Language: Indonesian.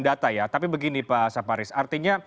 data ya tapi begini pak saparis artinya